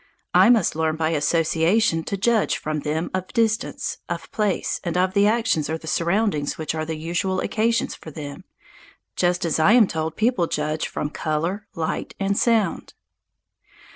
I must learn by association to judge from them of distance, of place, and of the actions or the surroundings which are the usual occasions for them, just as I am told people judge from colour, light, and sound.